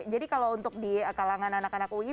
jadi kalau untuk di kalangan anak anak ui